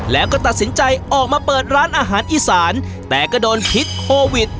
แล้วก็ตัดสินใจออกมาเปิดร้านอาหารอีสานแต่ก็โดนพิษโควิด